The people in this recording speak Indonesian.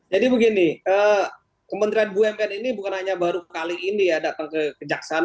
jadi begini kementerian bumn ini bukan hanya baru kali ini ya datang ke kejaksaan